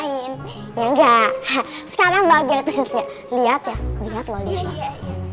enggak sekarang bagian khususnya lihat ya lihat lo lihat ya